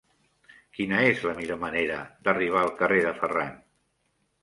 Quina és la millor manera d'arribar al carrer de Ferran?